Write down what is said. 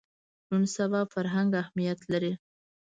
نن سبا فرهنګ اهمیت لري